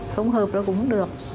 không hợp nó cũng không được